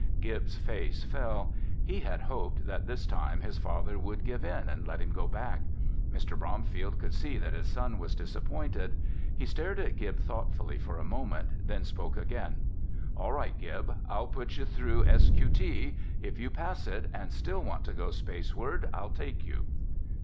Gib's face fell. He had hoped that this time his father would give in and let him go back. Mr. Bromfield could see that his son was disappointed. He stared at Gib thoughtfully for a moment, then spoke again. "All right, Gib, I'll put you through S.Q.T. If you pass it and still want to go spaceward, I'll take you."